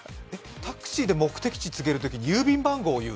タクシーで目的地告げるときに郵便番号を言うの？